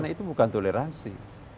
itu bukan toleransi